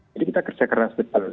jadi kita kerja keras betul